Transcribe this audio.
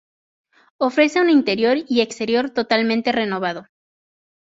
Ofrece un interior y exterior totalmente renovado.